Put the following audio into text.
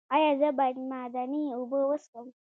ایا زه باید معدني اوبه وڅښم؟